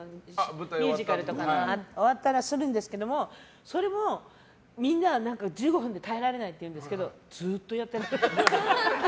ミュージカルとか終わったらするんですけどそれも、みんなは１５分で耐えられないっていうんだけどずっとやってる。